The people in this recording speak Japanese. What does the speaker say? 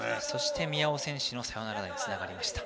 宮尾選手のサヨナラにつながりました。